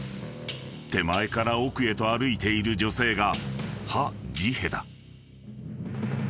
［手前から奥へと歩いている女性がハ・ジヘだ］